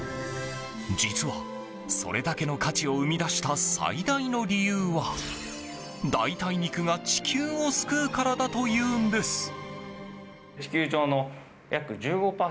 実はそれだけの価値を生み出した最大の理由は代替肉が地球を救うからだというんです。